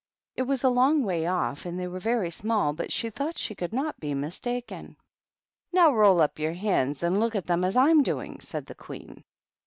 It was a long way off, and they were very small, but she thought she could not be mistaken. "Now, roll up your hands, and look at them as I'm doing," said the Queen.